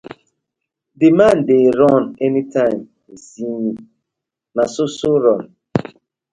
Di man dey run anytime im see mi no so so run.